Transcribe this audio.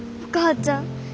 お母ちゃん。